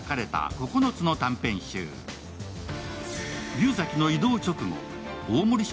竜崎の異動直後、大森署